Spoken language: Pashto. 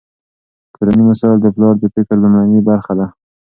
کورني مسایل د پلار د فکر لومړنۍ برخه ده.